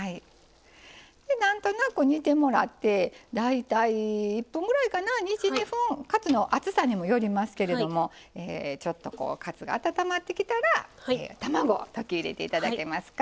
なんとなく煮てもらって大体１分ぐらいかな１２分カツの厚さにもよりますけれどもちょっとカツが温まってきたら卵を溶き入れて頂けますか。